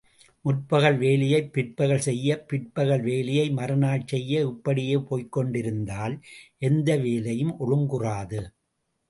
முற்பகல் வேலையைப் பிற்பகல் செய்ய, பிற்பகல் வேலையை மறுநாள் செய்ய, இப்படியே போய்க்கொண்டிருந்தால், எந்த வேலையும் ஒழுங்குறாது.